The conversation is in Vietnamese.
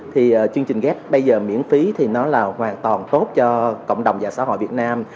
thì chương trình ghép bây giờ miễn phí thì nó là hoàn toàn tốt cho cộng đồng và xã hội việt nam